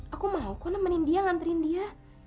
aku mau kok nemenin dia nganterin dia